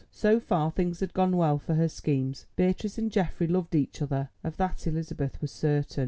So far things had gone well for her schemes. Beatrice and Geoffrey loved each other, of that Elizabeth was certain.